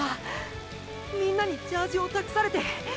みんなにジャージを託されて。